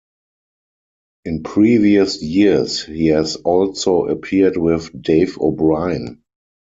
In previous years he has also appeared with Dave O'Brien.